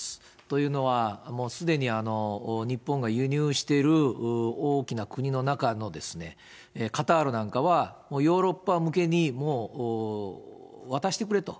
というのは、もうすでに日本が輸入している大きな国の中のカタールなんかは、ヨーロッパ向けにもう渡してくれと。